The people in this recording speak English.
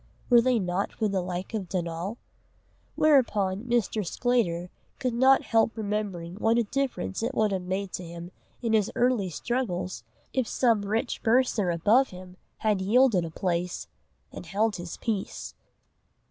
Were they not for the like of Donal? Whereupon Mr. Sclater could not help remembering what a difference it would have made to him in his early struggles, if some rich bursar above him had yielded a place and held his peace.